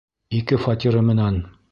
Ике фатиры менән.